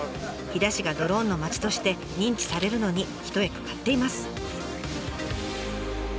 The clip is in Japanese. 飛騨市がドローンのまちとして認知されるのに一役買っています。